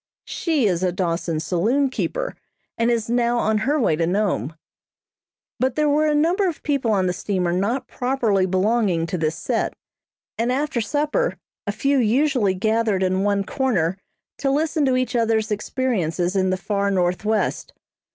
She is a Dawson saloon keeper, and is now on her way to Nome. But there were a number of people on the steamer not properly belonging to this set, and after supper a few usually gathered in one corner to listen to each other's experiences in the far Northwest.